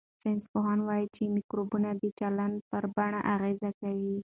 ساینسپوهان وايي چې مایکروبونه د چلند پر بڼې اغېز کوي.